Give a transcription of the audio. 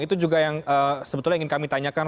itu juga yang sebetulnya ingin kami tanyakan